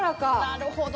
なるほど。